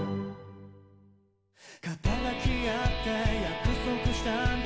「肩抱き合って約束したんだ